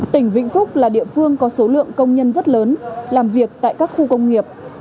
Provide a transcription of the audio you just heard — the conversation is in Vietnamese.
tỉnh vĩnh phúc là địa phương có số lượng công nhân rất lớn làm việc tại các khu công nghiệp